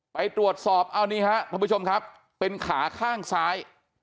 ไปตรวจสอบเอานี่ฮะท่านผู้ชมครับเป็นขาข้างซ้าย